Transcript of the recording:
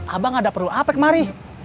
abang ada perlu apa kemari